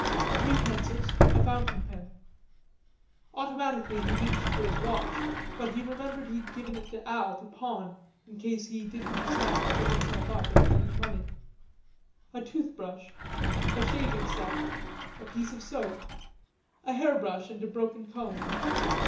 Three pencils, a fountain pen. Automatically he reached for his watch, but he remembered he'd given it to Al to pawn in case he didn't decide to give himself up, and needed money. A toothbrush. A shaving set. A piece of soap. A hairbrush and a broken comb.